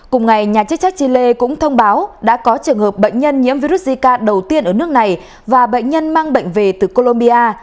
cùng ngày nhà chức trách chile cũng thông báo đã có trường hợp bệnh nhân nhiễm virus zika đầu tiên ở nước này và bệnh nhân mang bệnh về từ colombia